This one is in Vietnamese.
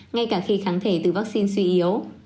ngay cả khi kháng thể từ vaccine suy yếu